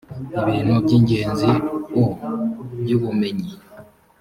ibintu by ingenzi o by ubumenyi